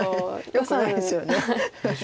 よくないですよね。